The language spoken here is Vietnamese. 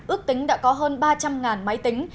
ước tính đã có hơn ba trăm linh máy tính